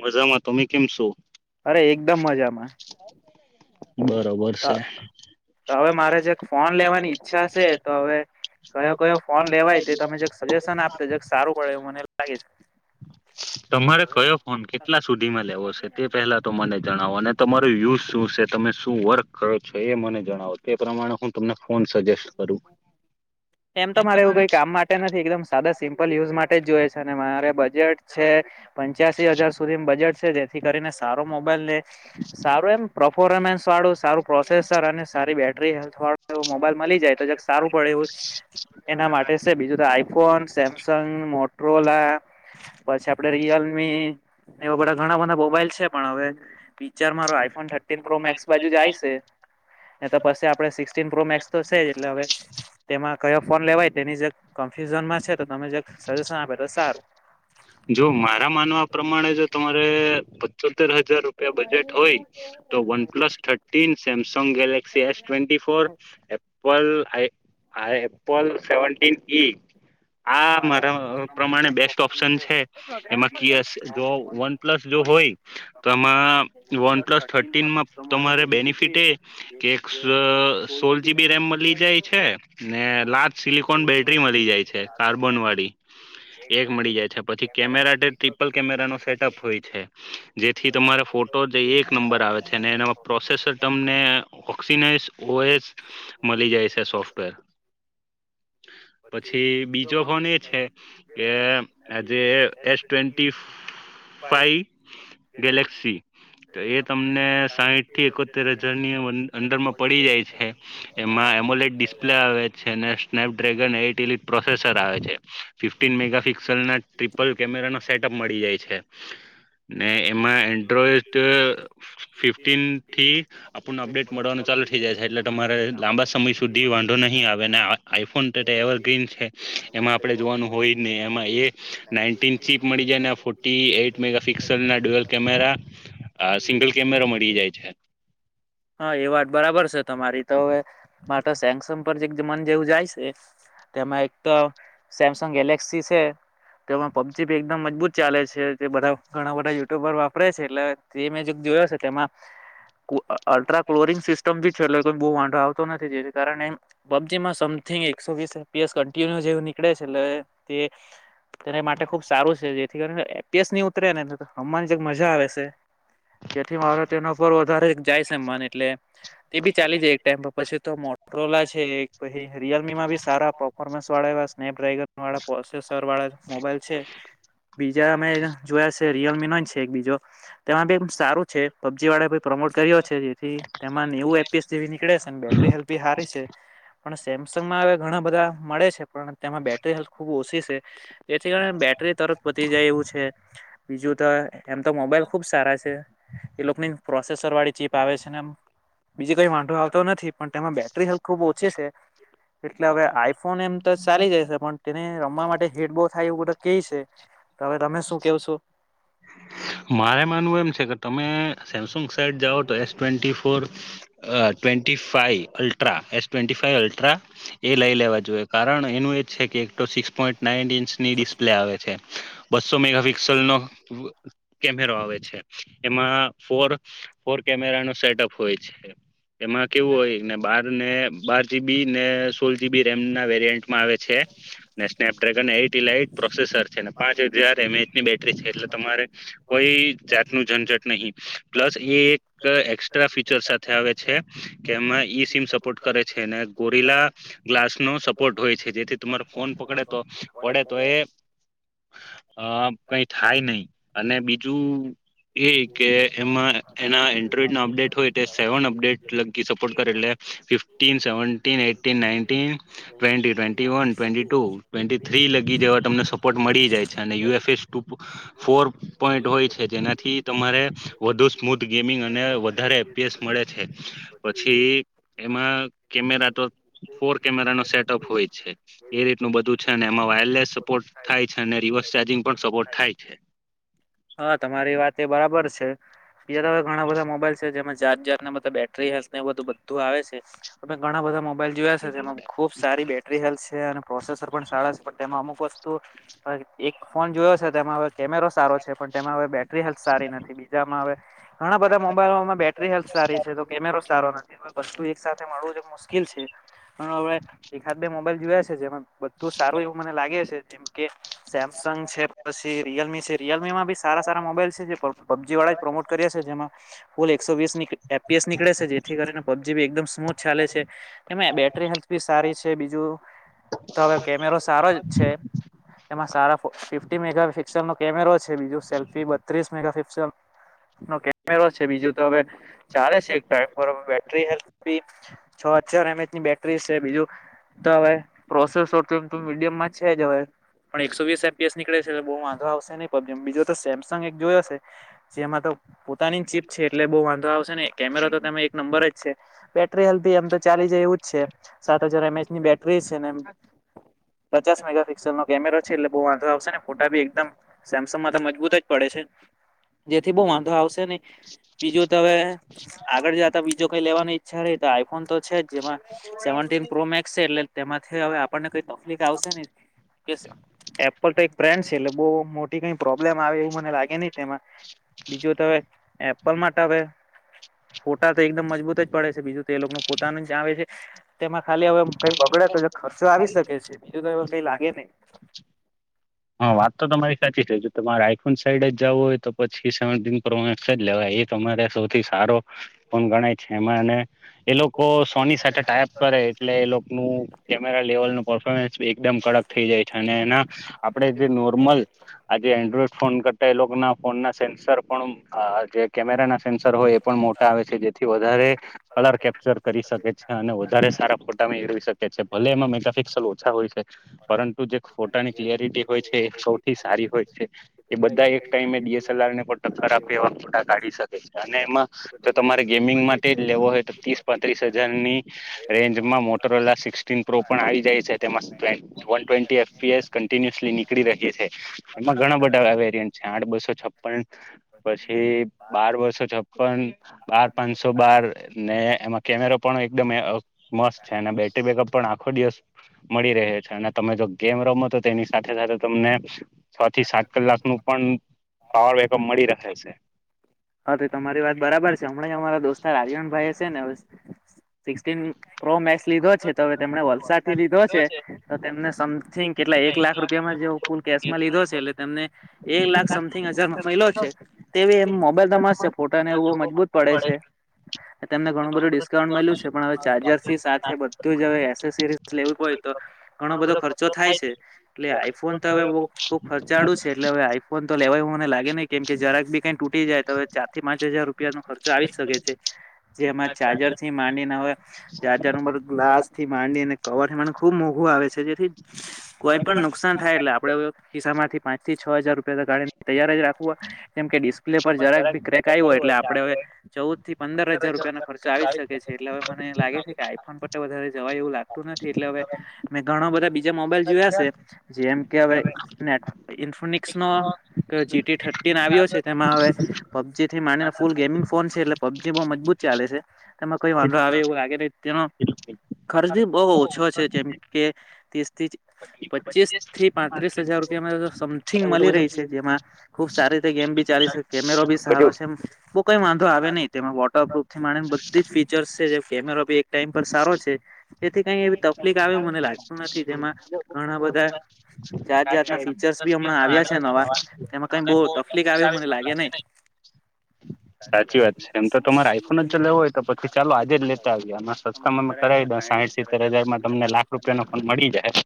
મજામાં, તમે કેમ શો? અરે એકદમ મજામાં. બરોબર છે. તો હવે મારે જે એક ફોન લેવાની ઈચ્છા સે તો હવે કયો કયો ફોન લેવાય તે તમે જે સજેશન આપતે જે સારું પડે એવું મને લાગે છે. તમારે કયો ફોન કેટલા સુધીમાં લેવો છે તે પહેલાં તો મને જણાવો અને તમારું યુઝ શું છે, તમે શું વર્ક કરો છો એ મને જણાવો. તે પ્રમાણે હું તમને એમ તો મારે એવું કઈ કામ માટે નથી એકદમ સાદા સિમ્પલ યુઝ માટે જ જોએ છે. અને મારે બજેટ છે, પંચ્યાસી હજાર સુધી બજેટ છે જેથી કરીને સારો મોબાઈલ લે સારું એમ પરફોર્મન્સ વાળું, સારું પ્રોસેસર અને સારી બેટરી હેલ્થવાળું મોબાઈલ મળી જાય તો જ સારું પડે એવું એના માટે સે બીજું તો આઈફોન સેમસંગ મોટ્રો ઓલા પછી આપડે રિયલમી એવા બધા ઘણા બધા મોબાઈલ છે પણ હવે અચાર મારો આઈફોન થર્ટીન પ્રો મેક્સ બાજુ જાય છે એ તો પછી આપણે સિક્સટીન પ્રો મેક્સ હવે તેમાં કયો ફોન લેવાય તેની જે કન્ફ્યુઝનમાં છે તો તમે સજેશન આપે તો સારું જો મારા માનવા પ્રમાણે જો તમારે પચોતેર હજાર રૂપિયા બજેટ હોય તો OnePlus thirteen Samsung Galaxy S twenty four Apple I I Apple seventeen ઈ આ મારા પ્રમાણે બેસ્ટ ઓપ્શન છે એમા કીયસ જો વન પ્લસ જો હોય તો એમાં વન પ્લસ થટી ટીનમાં તમારે બેનિફિટ એ કે એક સોળ જીબી રેમ મલી જાય છે કે ને લાચ સિલિકોન બેટરી મળી જાય છે કાર્બન વાળી એક મળી જા પછી કેમેરા ટ્રિપલ કેમેરા નો સેટઅપ હોય છે જેથી તમારે ફોટો જે એક નંબર આવે છે એના મા પ્રોસેસર તમને ઓકસિનેસ ઓએસ મળી જાય છે સોફ્ટવેર [unintelligible] પછી બીજો ફોન એ છે કે આજે એસ ટ્વેન્ટી ફાઈ ગેલેક્સી તો એ તમને સાહીઠ થી એકોતેર હજાર ની અંંદર માં પડી જાય છે એમાં એમોલેડ ડિસ્પ્લે આવે છે અને સ્નેપડ્રેગન એટ પ્રોસેસ લાવે છે ફીફટીન મેગાપિકસલ ના ટ્રિપલ કેમેરા ન સેટઅપ મળી જાય છે ને એમાં એન્ડ્રોઈડ ફિફ્ટન થી આપણને અપડેટ મળવાનો ચાલુ ચાલુ થઈ જાય છે એટલે તમારે લાંબા સમય સુધી વાંધો નહીં આવે ને આઈફોન તો એવરગ્રીન છે એમાં આપડે જોવાનું હોય ને એમાં એ નાઇનટીન ચીપ મળી જાય ને ફોરટી એટ મેગાપિક્સેલ ના એડુલ કેમેરા કેમેરો મળી જાય છે હા એ વાત બરાબર છે તમે તમારી તો હવે મારે તો હવે સેંગસંગ પર જીક મન જેવું જાય છે તેમાં તો સેમસંગ ગેલેક્સી છે તેમાં પબજી ભી એકદમ મજબૂત ચાલે છે તે બધા ઘણા બધા યુટ્યુબર વાપરે છે એટલે તે મે જોયો છે તેમાં અલ્ટ્રા કલોરિંગ સિસ્ટમ બી બવ વાંધો આવતો નથી જેથી કારણે પબજી માં સમથીગ એકસો વીસ રૂપિયા કયો જેવુ નીકળે છે એટલે તે તેને માટે ખુબ સારું છે એપીએસ ની ઉતરે ને હમુમાન જક મજા આવે છે જેથી મારે તેનો પર વધારે જાય છેમાન એટલે તે બી ચાલી જાય એક ટાઈમ પછી તો મોટરોલા છે પછી રિયલમીમાં સારા પફોર્મન્સ વાળા એવા સ્નેપડ્રગન વાળા પ્રોસેસર વાળા મોબાઈલ છે બીજા મે જોયા છે રિયલમી નો છે એક બીજો તેમાં ભી સારું છે પબજી વાળા પ્રમોટ કર છે જેથી તેમાં નેવું એપીએસ જેવી નીકળે છે બેટરી હલકી હારી છે પણ સેમસંગમાં હવે ઘણા બધા મળે છે પણ તેમાં બેટરી હેલ્પ ખુબ ઓછી છે તેથી કારણે બેટરી તરત પતી જાય એવું છે બીજું તો એમ તો મોબાઈલ ખુબ સારા છે એ લોકો ની પ્રોસેસર વાળી ચીપ આવે છે ને એમ બીજી કઈ વાંધો આવતો નથી પણ તેમાં બેટરી હરખુ ખુબ ઓછી છે એટલે હવે આઈફોન ફોન એમ તો ચાલી જાય છે પણ તેને રમવા માટે હેડ બો થાય એવું બધું કેઈ છે તો હવે તમે શું કેવ છો મારે માનવું એમ છે કે તમે સેમસંગ સાઈટ જાઓ તો S twenty four twenty five ultra S twenty five ultra એ લઈ લેવા જોઈએ કારણ એનું એજ છે કે એક તો સિક્સ પોઈન્ટ નાઈન ઇંચની ડિસ્પ્લે આવે છે બસો મેગાપિક્સલ નો કેમેરો આવે છે એમાં ફોર ફોર કેમેરા નું સેટઅપ હોય છે એમાં કેવું હોય ને, બાર ને બાર જીબી ને સોલ જીબી રેમ ના વેરિયન્ટમાં આવે છે. સ્નેપડ્રેગન એટીલાઈટ પ્રોસેસર છે, પાંચ હજાર એમ એચની બેટરી છે, એટલે તમારે કોઈ જાતનું ઝંઝટ નહીં, પ્લસ એ એક એસ્ટ્રા ફીચર સાથે આવે છે, કે એમાં ઈ-સિમ સપોર્ટ કરે છે ને ગોરિલા ગ્લાસ નો સપોર્ટ હોય છે, જેથી તમારો ફોન પકડે તો પડે તો એ હ કંઈ થાય નહીં અને બીજું હજુ એ કે એમાં એના અપડેટ હોય તે સેવન અપડેટ સપોર્ટ કરે, એટલે, ફીફ્ટીન સેવન્ટીન નાઈન્ટીન એ twenty twenty one twenty two લગી જવા તમને સપોર્ટ મળી જાય છે, અને U S two, four point હોય છે જેનાથી તમારે, વધુ સ્મૂથ ગેમ ગેમિંગ અને વધારે એમબીએસ મળે છે, પછી એમાં કેમેરા તો ફોર કેમેરા ન સેટઅપ હોય છે એ રીતનું બધું છે, એમાં વાયરલેસ સપોર્ટ થાય છે અને રીવર ચાર્જિંગ પણ સપોર્ટ થાય છે. હા તમારી વાત એ બરાબર છે, બીજા તમે ઘણા બધા મોબાઈલ છે જેમાં જાર્જાર નેધ બેટરી હેલ્થને એ બધું આવે છે, અને ઘણા બધા મોબાઈલ સાચી વાત એમાં ખુબ સારી બેટરી હાલશે અને પ્રોસેસર પણ સારા છે પણ તેમાં અમુક વસ્તુ, એક ફોન જોયો છે તેમાં હવે કેમેરો સારો છે પણ તેમાં હવે બેટરી હેલ્થ સારી નથી બીજામાં, હવે ઘણા બધા મોબાઈલોમાં બેટરી હેલ્થ સારી છે તો કેમેરો સારો નથી હવે વસ્તુ એક સાથે મળવું જે મુશ્કેલ છે. પણ એકાદ બે મોબાઈલ જોયા છે જેમાં બધું સારું એવું મને લાગે છે જેમ કે સેમસંગ છે પછી રિયલમી છે રિયલમી માં બી સારા સારા મોબાઈલ છે જે પબજી વાળા જે પ્રમોટ કર્યા છે. ફોર એકસો વીસની એમ બી એસ નીકળે છે જેથી કરીને પબજી ભી એકમ સ્મૂથ ચાલે છે, એમા બેટરી હેલ્થ બી સારી છે, બીજું તો હવે કેમેરો સારો જ છે. એમાં સારા ફિફ્ટી મેગાપિક્સેલ નો કેમેરો છે બીજું સેલ્ફી બત્રીસ મેગાપિક્સેલ નો કેમેરો છે બીજું તો હવે, ચાલે છે એક ટાઈમ પર બેટરી હેલ્પી છ હજાર એમ એચની બેટરી છે બીજું તો હવે પ્રોસેસર એમ મીડિયમમાં છે જ હવે. પણ એકસો વીસ એમપીએસ નીકળે છે, એટલે બહુ વાંધો આવશે નહીં પબ્લેમ બીજો તો સેમસંગ એક જોયો હશે, જેમાં પોતાની ચીપ છે એટલે બહુ વાંધો આવશે નહીં ને કેમેરા તો તે એક નંબર જ છે, બેટરી એમ તો ચાલી જાય એવું જ છે, સાત હજાર એમ એચની બેટરી છે ને એમ. પચાસ મેગા પિક્સલ નો કેમેરો છે એટલે બહુ વાંધો આવશે નહીં ને ફોટા ભી એકદમ, સેમસંગમાં તમે એવું જ પડે છે, જેથી બહુ વાંધો આવશે બીજું તો હવે આગળ જતા બીજો કંઈ લેવાની ઈચ્છા રહી તો ફોન તો છે જ, જેમાં સેવીન્ટીન પ્રો મેક્સ છે એટલે તેમાંથી હવે આપણને કંઈ તકલીફ આવશે નહીં. એપલ તો એક બ્રાન્ડ છે એટલે બહુ મોટો આવે પ્રોબ્લેમ આવે એવું મને લાગે નહીં તેમાં, બીજું તો હવે એપલ માટે હવે ફોટા તો એકદમ મજબૂત જ પડે છે બીજું તો એ લોકોનું પોતાનું જ આવે છે, તેમાં ખાલી હવે કંઈ બગડે તો ખર્ચો આવી શકે છે બીજું તો કંઈ લાગે નહીં. હા, વાત તો તમારી સાચી છે જો તમારે આઈફોન સાઈડ જવું હોય ડી તો પછી સેવન્ટીન પ્રો મેક્સ જ લેવાય. એ તમારે સૌથી સારો, ફાયદો ગણાય છે એમાં અને એ લોકો સોની સાથે ટાઈપ કરે એટલે એ લોકો નો કેમેરા લેવલ ન પરફોર્મેન્સ બી એકદમ ફડક થઈ જાય છે અને એના આપડે જે નોર્મલ, આજે એન્ડ્રોઈડ ફોન કરતા એ લોકો ના ફોન ના સેન્સર પણ જે કેમેરા ના સેન્સર હોય, એ પણ મોટા આવે છે જેથી વધારે કલર કેપ્ચર કરી શકે છે, અને વધારે સારા ફોટામાં મેળવી શકે છે ભલે એમાં મેગાપિક્સલ ઓછા હોય છે, પરંતુ જે ફોટાની ક્લરિટી હોય છે એ સૌથી સારી હોય છે, એ બધા એક ટાઈમે ડી એસ એલ આર ને પણ ટક્કર આપે એવા ફોટા કાઢી શકે છે અને એમાં, જો તમારે ગેમિંગ માટે જ લેવો હોય તો ત્રીસ પાંત્રીસ હજાર રેન્જમાં મોટરોલા સિક્સટીન પ્રો પણ આવી જાય છે, તેમાં વન ટ્વેન્ટી એફપિએસ કન્ટીનયસલી નીકળી રહીએ છે એમાં ઘણાં બધાં વેરિયન્ટ છે આઠ બસૌ છપ્પન પછી બાર બસો છપ્પન, બાર પાંસો બાર ને એમાં કેમેરો પણ એકદમ એ‌ અ મસ્ત છે અને બેટરી બેકઅપ પણ આખો દિવસ મળી રહ્યો છે, અને તમે જો ગેમ રમો તો સાથે સાથે તમને છ થી સાત કલાક નું પણ પાવર બેકઅપ મળી રહે છે હા, તો તમારી વાત બરાબર છે, હમણાં જ અમારા દોસ્તાર આર્યન ભાઈ છે ને સિક્સટીન પ્રો મેક્સ લીધો છે તો હવે તેમણે વલસાડ થી લીધો છે, તો તેમને સમથિંગ કેટલ એક લાખ રૂપિયામાં જે ફૂલ કેશમાં લીધો છે, એટલે તને એક લાખ સમથિગ હજાર નો મળ્યો છે જેવી એમ મોબાઈલ હશે, ફોટાને એ મજબૂત પડે છે, તમને ઘણું બધું ડિસ્કાઉન્ટ મળ્યું છે, પણ ચાર્જરસી ની સાથે બધું જ હોય એસેસરી લેવું હોય તો ઘણો બધો ખર્ચો થાય છે એટલે આઈફોન તો હવે ખુબ ખર્ચાડું છે, એટલે હવે આઈફોન તો લેવાય મને લાગે નહીં, કેમ કે જરાક બી કંઈ તો ચાર થી પાંચ હજાર રૂપિયા નો ખર્ચો આવી શકે છે જેમાં ચાર્જર થી માંડી ને હવે, ચાર્જર ઉપર ગ્લાસ થી માંડીને કવર થી મને ખુબ મોંધુ હું આવે છે જે થી, કોઈ પણ નુકસાન થાય એટલે આપણેે હવે ખિસ્સા માંથી પાંચથી, છ હજાર રૂપિયા કાઢીને તૈયાર રાખવું હ, કેમ કે ડિસ્પ્લે ઉપર જરાક ભી ક્રેક આવ્યો એટલે આપણે હવે ચૌદ થી પંદર હજાર રૂપિયાનો ખર્ચો આવી જ શકે છે, એ એટલે હવે મને લાગે છે કે આઈફોન પર વધારે જવાય એવું લાગતું નથી, એટલે હવે મેં ઘણા બધા બીજા મોબાઈલ જોયા સે જેમ કે હવે નેટ ઇન્ફોનિકસ નો જીટી થર્ટીન આવ્યો છે, તેમાં હવે પબજી થી માનીને ફૂલ ગેમિંગ ફોન છે, એટલે પબજી બહુ મજબૂત ચાલે છે તેમાં કોઈ વાંધો આવે એવું લાગે નહીં, તેનો ખર્ચ બી બહુ ઓછો છે, જેમ કે પચીસ થી પાંત્રીસ હજાર રૂપિયામાં સમથિંગ મળી રહી છે, જેમાં ખુબ સારી તે ગેમ બી ચાલી કે કેમેરો બી સારો છે, બહુ કઈ વાંધો આવે નહિં તેમાં વોટરપ્રુફ થી માણીને બધી જ ફીચર્સ છે જે કેમેરો ટાઈમ પર સારો છે, એથી કઈ એવી તકલીફ આવે મને લાગતું નથી, જેમાં ઘણા બધા ચાર જાત ના ફીચર્સ ભી હમણાં આવ્યા છે નવા, એમાં કંઈ બહુ તકલીક આવે એવું મને લાગે ગે નહીં. સાચી વાત છે એમ તો તમારે આઈફોન જ જો ચલાવો હોય તો પછી ચાલો આજે જ લેતા આવ્યે એમાં તમે કરાવી દો સાહીઠ સીત્તેર હજારમાં તમને લાખ રૂપિયા ન ફોન મળી જાય.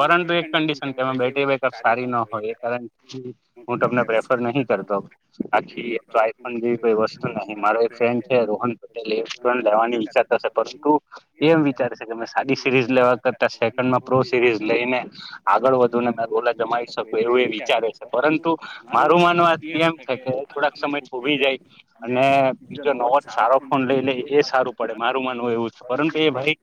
પરંતુ એક કંડિશન કેમાં બેટરી બેકઅપ સારી ન હોય, એ કારણ હું તમને પ્રેફર નહીં કરુ. આઈફોન જેવી કોઈ વસ્તુ નહીં મારો એક ફ્રેડ છે રોહન પટેલ એ પણ અનઈચ્છા સાથે પરંતુ એમ વિચારે છે કે સાદી સિરીઝ લેવા કરતા સેકન્ડમાં પ્રો સિરીઝ લઈને આગળ વધુ ને મેં રોલા જમાવી શકું એવું એ વિચારે છે, પરંતુ મારું માનવા એ એમ કેહ થોડાક સમય થોભી જાય અને બીજો નવો જ સારો ફોન લઈ લે એ સારું પડે, મારા પરંતુ માનવુ એવું જ, પરંતુ એ ભાઈ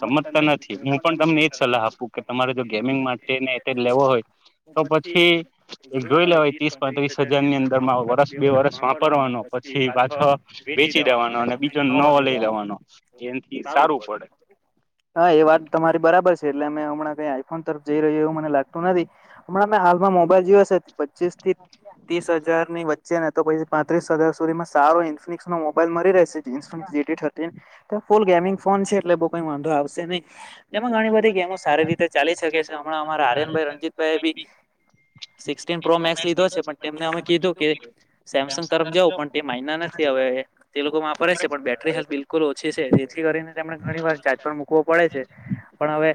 સમજતા નથી. હું પણ તમને એજ સલાહ આપું કે તમારે જો ગેમિંગ માટે એના માટે લેવો હોય તો પછી જોઈ લે હોય ત્રીસ પાંત્રીસ હજાર ની અંદર વર્ષ બે વર્ષ વાપરવાનો પછી પાછો વેચી દેવાનો અને બીજા ને નવો લઈ લેવાનો. [unintelligible] હા, એ વાત તમારી બરાબર છે. એટલે મે હમણાં કંઈ આઈફોન તરફ જઈ રહ્યું એવું મને લાગતું નથી હમણાં હાલમાં મોબાઈલ જેવાશે પચીસ થી ત્રીસ હજાર ની વચ્ચે ને તો પછી પાંત્રીસ ત્રીસ હજાર સુધીમાં સારો ન્ફનસો મોબાઈલ મળી રહે છે જી જી થર્ટીન ફૂલ ગેમિંગ ફોન છે, એટલે બહુ કંઈ વાંધો આવશે નહીં. એમાં ઘણી બધી ગેમો સારી રીતે ચાલી શકે છે, હમણાં અમારા આર્યનભાઈ રણજીતભાઈ બી સિક્સટીન પ્રો મેક્સ લીધો છે. પણ તેમને અમે કીધું કે, સેમસંગ તરફ જાવું પણ તે માન્યા નહીં. હવે તે લોકો વાપરે છે, પણ બેટરી હેલ્થ બિલકુલ ઓછી છે, જેથી કરીને તેમણે ઘણી વાર ચાર્જ પણ મૂકવો પડે. પડે છે. પણ હવે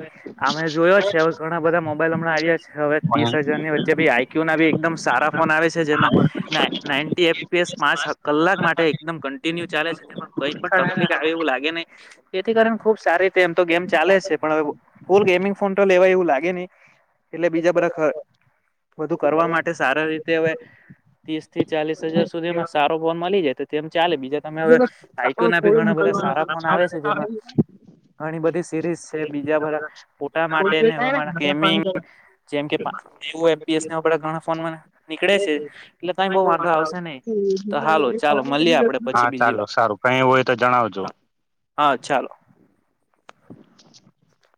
અમે જોયો છે, હવે ઘણા બધા મોબાઈલ હમણાં આવ્યા છે. હવે ત્રીસ હજાર ની વચ્ચે ભી આઈ કયું ના બી એકદમ સારા ફોન આવે છે. જેમાં ના નાઇન્ટી એ પીએસ પાંચ કલાક માટે એકદમ કન્ટિન્યુ ચાલે છે, જેમાં કઈ પણ તકલીફ આવે એવું લાગે જેથી કરીને ખુબ સારી રીતે એમ તો ગેમ ચાલે છે પણ ફૂલ ગેમિંગ ફોન તો લેવા એવું લાગે નહી. [inaudible] એટલે બીજા બધા ખર બધું કરવા માટે સારા રીતે હવે ત્રીસ થી ચાલીસ હજાર સુધીમાં સારો ફોન મલી જાય તો તેમ. ચાલે, બીજા તમે અવે આઈકોના બી ઘણા બધા સારા ફોન આવે છે જેમાં ઘણી બધી છે બીજા બધા પોતા માટેને ગમિંગ જેમ કે [unintelligible] ઘણા ફોનમાં નીકળે છે. એટલે, કઈ બહુ વાંધો આવશે નહી તો હાલો ચાલો મળીએ આપણે પછી બીજી વાર. કઈ હોય તો જણાવજો. હા, ચાલો. [inaudible]